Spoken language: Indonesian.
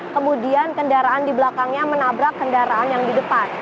kemudian kendaraan di belakangnya menabrak kendaraan yang di depan